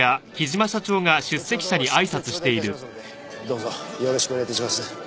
どうぞよろしくお願い致します。